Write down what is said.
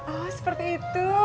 oh seperti itu